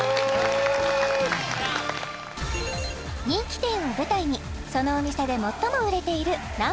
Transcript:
人気店を舞台にそのお店で最も売れているＮｏ．１